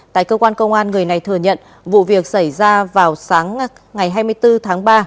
tại cơ quan công an người này thừa nhận vụ việc xảy ra vào sáng ngày hai mươi bốn tháng ba